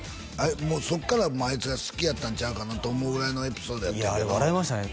もうそっからまああいつが好きやったんちゃうかなと思うぐらいのエピソードやってんけどいやあれ笑いましたね